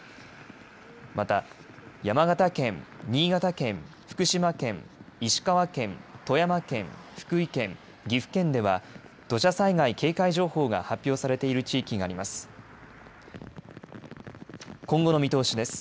また山形県、新潟県、福島県、石川県、富山県、福井県、岐阜県では土砂災害警戒情報が発表されている地域があります。